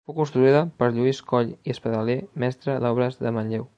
Fou construïda per Lluís Coll i Espadaler, mestre d'obres de Manlleu.